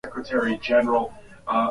kaskazini mwa mji mkuu wa Nairobi